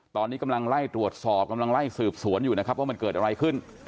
ตอนนี้กำลังไล่ตรวจสอบกำลังไล่สืบสวนอยู่นะครับว่ามันเกิดอะไรขึ้น